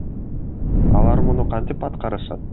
Алар муну кантип аткарышат?